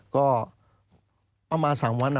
ก็ประมาณ๓วัน